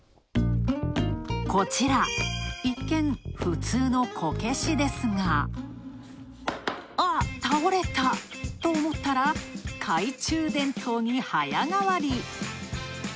こちら、一見、普通のこけしですが、あっ、倒れたと思ったら懐中電灯に早変わり。